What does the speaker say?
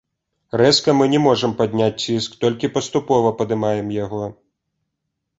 Рэзка мы не можам падняць ціск, толькі паступова падымаем яго.